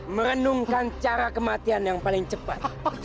merenungkan cara kematian yang paling cepat